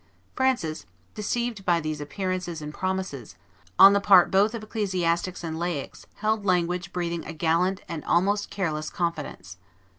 Francis, deceived by these appearances and promises, on the part both of ecclesiastics and laics, held language breathing a gallant and almost careless confidence.